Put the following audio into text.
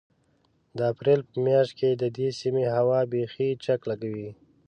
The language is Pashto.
د اپرېل په مياشت کې د دې سيمې هوا بيخي چک لګوي.